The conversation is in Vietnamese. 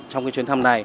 trong chuyến thăm này